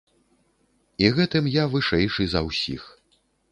І гэтым я вышэйшы за ўсіх.